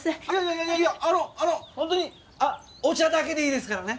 いやいやいやあのあのホントにお茶だけでいいですからね。